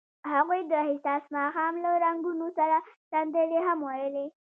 هغوی د حساس ماښام له رنګونو سره سندرې هم ویلې.